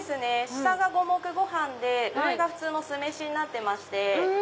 下が五目ご飯で上が普通の酢飯になってます。